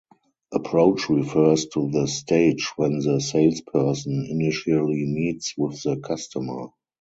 Approach-Refers to the stage when the salesperson initially meets with the customer.